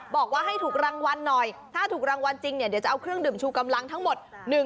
บอกว่าให้ถูกรางวัลหน่อยถ้าถูกรางวัลจริงเนี่ยเดี๋ยวจะเอาเครื่องดื่มชูกำลังทั้งหมด